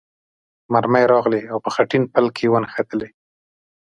مرمۍ راغلې او په خټین پل کې ونښتلې.